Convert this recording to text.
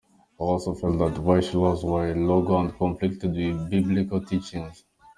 He also felt that Welsh laws were illogical and conflicted with Biblical teachings.